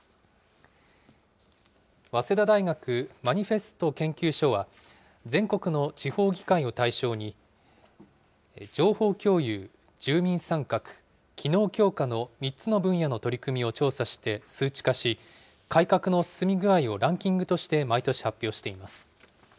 早稲田大学マニフェスト研究所は、全国の地方議会を対象に、情報共有、住民参画、機能強化の３つの分野の取り組みを調査して、数値化し、改革の進み具合をランキングとして毎年発表しています。